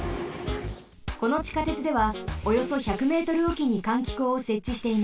このちかてつではおよそ１００メートルおきに換気口をせっちしています。